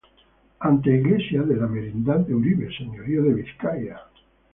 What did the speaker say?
Anteiglesia de la Merindad de Uribe, Señorío de Vizcaya.